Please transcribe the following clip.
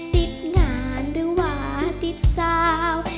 ติดงานหรือว่าติดสาว